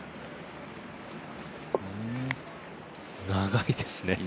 長いですね。